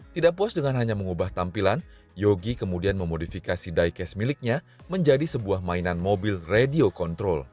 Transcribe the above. tidak puas dengan hanya mengubah tampilan yogi kemudian memodifikasi diecast miliknya menjadi sebuah mainan mobil radio kontrol